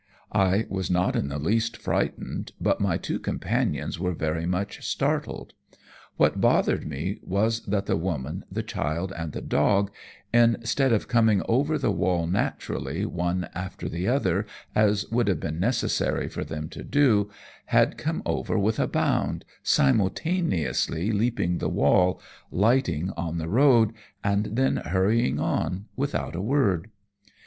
I was not in the least frightened, but my two companions were very much startled. What bothered me was that the woman, the child, and the dog, instead of coming over the wall naturally one after the other, as would have been necessary for them to do, had come over with a bound, simultaneously leaping the wall, lighting on the road, and then hurrying on without a word.